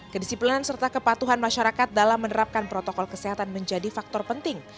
kedisiplinan serta kepatuhan masyarakat dalam menerapkan protokol kesehatan menjadi faktor penting